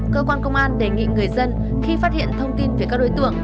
cơ quan công an đề nghị người dân khi phát hiện thông tin về các đối tượng